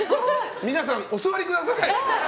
皆さん、お座りください。